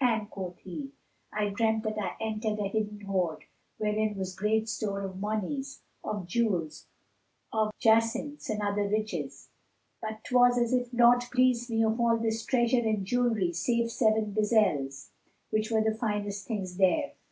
and quoth he, "I dreamt that I entered a hidden hoard, wherein was great store of monies, of jewels, of jacinths and of other riches; but 'twas as if naught pleased me of all this treasure and jewelry save seven bezels, which were the finest things there.